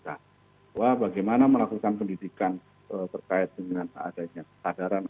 bahwa bagaimana melakukan pendidikan terkait dengan keadaan yang kehadiran